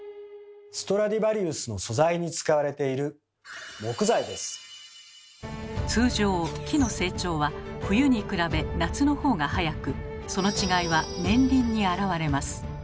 ストラディヴァリウスの素材に使われている通常木の成長は冬に比べ夏のほうが速くその違いは年輪に現れます。